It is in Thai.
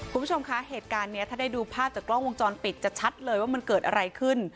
คุณผู้ชมคะเหตุการณ์นี้ถ้าได้ดูภาพจากกล้องวงจรปิดจะชัดเลยว่ามันเกิดอะไรขึ้น